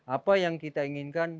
apa yang kita inginkan